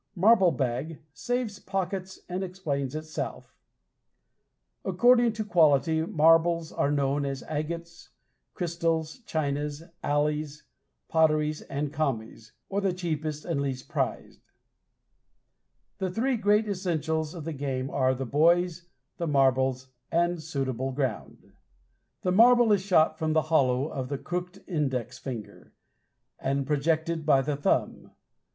Marble Bag saves pockets and explains itself. According to quality, marbles are known as "agates," "crystals," "chinas," "alleys," "potteries," and "commies," or the cheapest and least prized. The three great essentials of the game are the boys, the marbles, and suitable ground. The marble is shot from the hollow of the crooked index finger, and projected by the thumb.